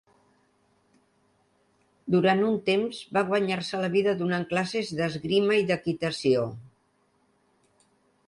Durant un temps, va guanyar-se la vida donant classes d'esgrima i d'equitació.